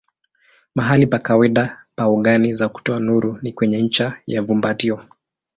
Mahali pa kawaida pa ogani za kutoa nuru ni kwenye ncha ya fumbatio.